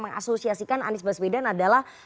mengasihkan anies baswedan adalah